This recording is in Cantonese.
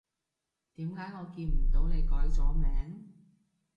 點解我見唔到你改咗名？